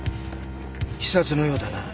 刺殺のようだな。